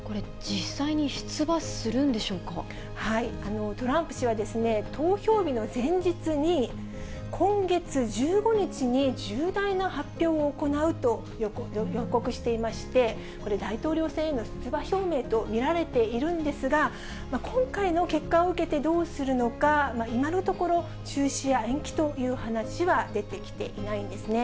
これ、トランプ氏は投票日の前日に、今月１５日に重大な発表を行うと予告していまして、これ大統領選への出馬表明と見られているんですが、今回の結果を受けてどうするのか、今のところ中止や延期という話は出てきていないんですね。